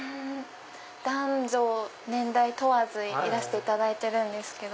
男女年代問わずいらしていただいてるんですけど。